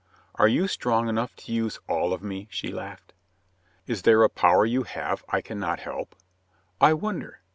"Are you strong enough to use all of me?" she laughed. "Is there a power you have I can not help?" "I wonder."